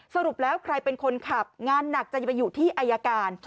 สรุปแล้วใครเป็นคนขับงานหนักจะไปอยู่ที่อายการ